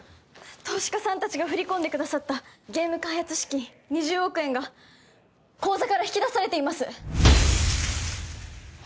投資家さんたちが振り込んでくださったゲーム開発資金２０億円が口座から引き出されています